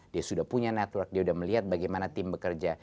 dia sudah punya network dia sudah melihat bagaimana tim bekerja